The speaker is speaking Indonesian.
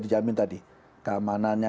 dijamin tadi keamanannya